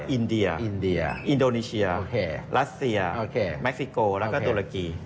อินเดียอินโดนีเชียลัสเซียแม็กซิโกแล้วก็ตุลักรี